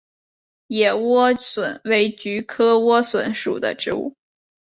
野莴苣为菊科莴苣属的植物。